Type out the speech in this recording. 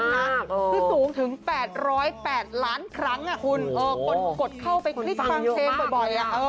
คือสูงถึง๘๐๘ล้านครั้งคุณคนกดเข้าไปคลิกฟังเพลงบ่อย